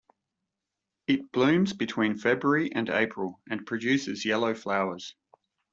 It blooms between February and April and produces yellow flowers.